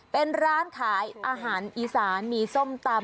เป็นร้านขายอาหารอีสานมีส้มตำ